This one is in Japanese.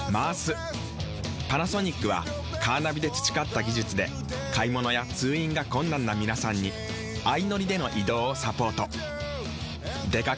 パナソニックはカーナビで培った技術で買物や通院が困難な皆さんに相乗りでの移動をサポート。